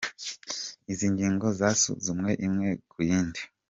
Izi ngingo zasuzumwe imwe ku yindi :